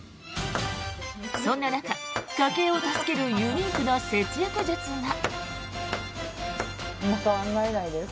そんな中、家計を助けるユニークな節約術が。